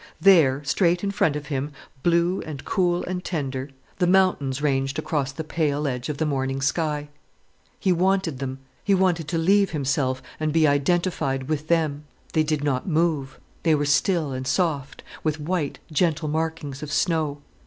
There, straight in front of him, blue and cool and tender, the mountains ranged across the pale edge of the morning sky. He wanted them—he wanted them alone—he wanted to leave himself and be identified with them. They did not move, they were still and soft, with white, gentle markings of snow.